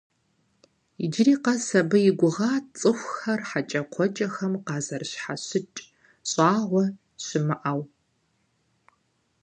Иджыри къэс абы и гугъат цӀыхухэр хьэкӀэкхъуэкӀэм къазэрыщхьэщыкӀ щӀагъуэ щымыӀэу.